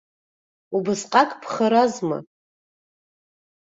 Убысҟак бхаразма.